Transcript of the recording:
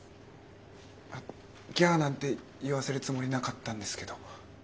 「ぎゃあ！」なんて言わせるつもりなかったんですけど。